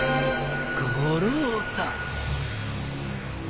五郎太。